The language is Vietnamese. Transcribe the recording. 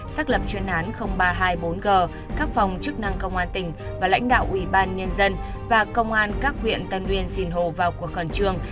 xác lập chuyên án ba trăm hai mươi bốn g các phòng chức năng công an tỉnh và lãnh đạo ủy ban nhân dân và công an các huyện tân uyên sinh hồ vào cuộc khẩn trương